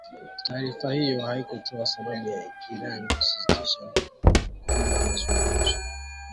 Taarifa hiyo haikutoa sababu ya Iran kusitisha kwa muda mazungumzo